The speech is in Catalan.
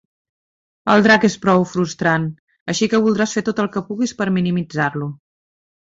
El drac es prou frustrant, així que voldràs fer tot el que puguis per minimitzar-lo.